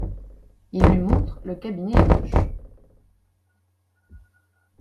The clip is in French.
Il lui montre le cabinet à gauche.